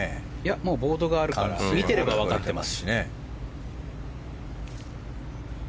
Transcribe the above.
もうボードがあるから見ていればわかっています。